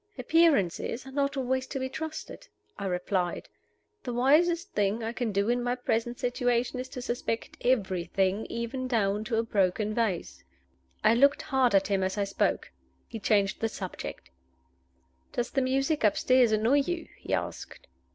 "Appearances are not always to be trusted," I replied. "The wisest thing I can do in my present situation is to suspect everything, even down to a broken vase." I looked hard at him as I spoke. He changed the subject. "Does the music upstairs annoy you?" he asked.